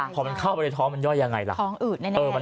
พอมันเข้าไปในท้องมันย่อยยังไงล่ะ